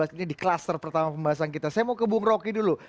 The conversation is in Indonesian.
ini di klaster pertama pembahasan kita saya mau ke bung roky dulu